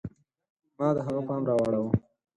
ما د هغه پام را واړوه.